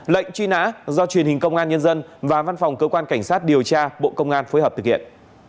lệnh truy nã do truyền hình công an nhân dân và văn phòng cơ quan cảnh sát điều tra bộ công an phối hợp thực hiện